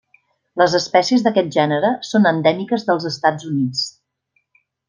Les espècies d'aquest gènere són endèmiques dels Estats Units.